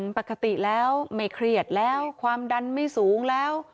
ปกติแล้วไม่เครียดแล้วความดันไม่สูงแล้ว